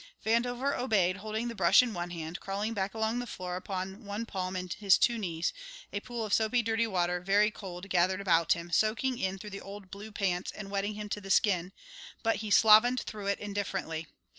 Vandover obeyed, holding the brush in one hand, crawling back along the floor upon one palm and his two knees, a pool of soapy, dirty water very cold gathered about him, soaking in through the old "blue pants" and wetting him to the skin, but he slovened through it indifferently.